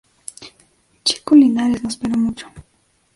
Chico Linares no esperó mucho.